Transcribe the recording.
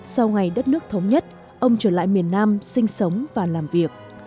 sau ngày đất nước thống nhất ông trở lại miền nam sinh sống và làm việc